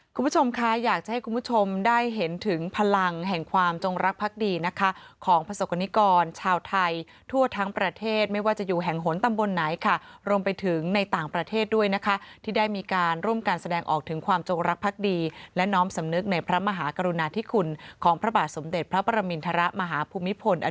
คุณผู้ชมคะอยากจะให้คุณผู้ชมได้เห็นถึงพลังแห่งความจงรักพักดีนะคะของประสบกรณิกรชาวไทยทั่วทั้งประเทศไม่ว่าจะอยู่แห่งหนตำบลไหนค่ะรวมไปถึงในต่างประเทศด้วยนะคะที่ได้มีการร่วมการแสดงออกถึงความจงรักภักดีและน้อมสำนึกในพระมหากรุณาธิคุณของพระบาทสมเด็จพระประมินทรมาฮภูมิพล